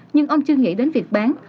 nhưng ông chưa nghĩ đến việc bán